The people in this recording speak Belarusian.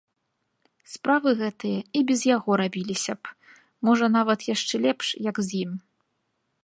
Справы гэтыя і без яго рабіліся б, можа, нават яшчэ лепш, як з ім.